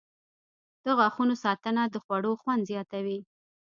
• د غاښونو ساتنه د خوړو خوند زیاتوي.